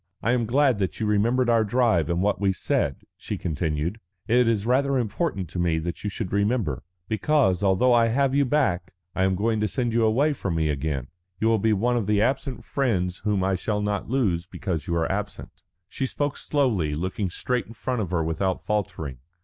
"I am glad that you remembered our drive and what we said," she continued. "It is rather important to me that you should remember. Because, although I have got you back, I am going to send you away from me again. You will be one of the absent friends whom I shall not lose because you are absent." She spoke slowly, looking straight in front of her without faltering.